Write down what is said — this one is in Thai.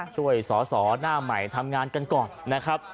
ช่วยสอสอหน้าใหม่ทำงานกันก่อนนะครับ